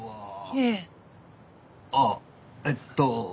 ええ。ああえっと？